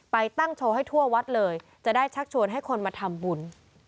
ไปตั้งโชว์ให้ทั่ววัดเลยจะได้ชักชวนให้คนมาทำบุญ